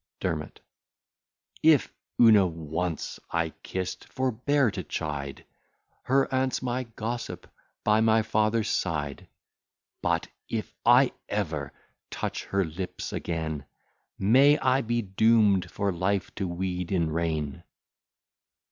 DERMOT If Oonah once I kiss'd, forbear to chide; Her aunt's my gossip by my father's side: But, if I ever touch her lips again, May I be doom'd for life to weed in rain!